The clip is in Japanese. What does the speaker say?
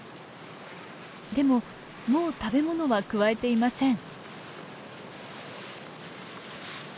でももう食べ物はくわえていません。